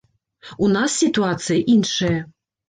У нас сітуацыя іншая.